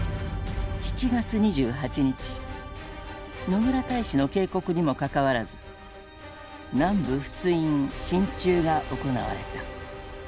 野村大使の警告にもかかわらず南部仏印進駐が行われた。